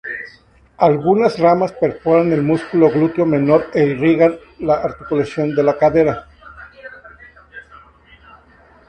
Algunas ramas perforan el músculo glúteo menor e irrigan la articulación de la cadera.